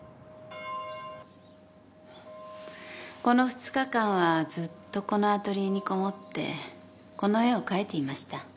この２日間はずっとこのアトリエにこもってこの絵を描いていました。